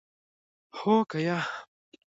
هو که یا ؟